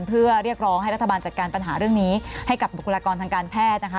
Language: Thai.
เพื่อเรียกร้องให้รัฐบาลจัดการปัญหาเรื่องนี้ให้กับบุคลากรทางการแพทย์นะคะ